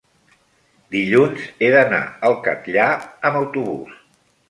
dilluns he d'anar al Catllar amb autobús.